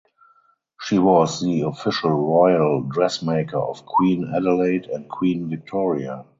She was the official royal dressmaker of queen Adelaide and queen Victoria.